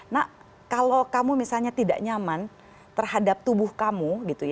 nak kalau kamu misalnya tidak nyaman terhadap tubuh kamu